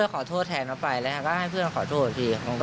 ก็ให้เพื่อนเขาขอโทษพี่